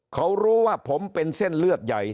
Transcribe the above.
เขารู้ว่าผมเป็นเส้นเลือดใหญ่